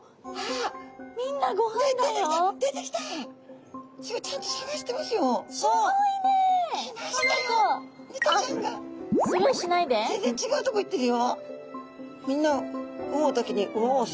ぜんぜん違うとこ行ってるよ。